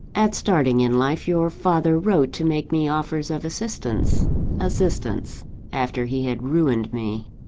"At starting in life, your father wrote to make me offers of assistance assistance, after he had ruined me!